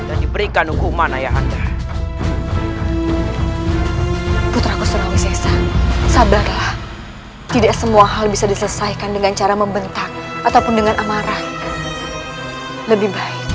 orang itu harus dicari